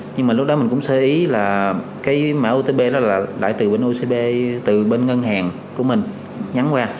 nhưng mà lúc đó mình cũng sơ ý là cái mã otp đó là đại từ bên ocb từ bên ngân hàng của mình nhắn qua